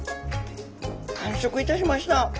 完食いたしました。